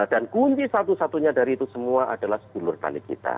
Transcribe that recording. dan kunci satu satunya dari itu semua adalah sebulur tanik kita